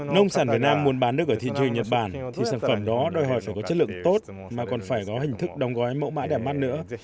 nông sản việt nam muốn bán được ở thiên truyền nhật bản thì sản phẩm đó đòi hỏi phải có chất lượng tốt mà còn phải có hình thức đồng gói mẫu mãi đẹp mắt nữa